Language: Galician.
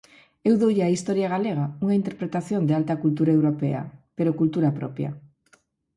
Eu doulle á historia galega unha interpretación de alta cultura europea, pero cultura propia.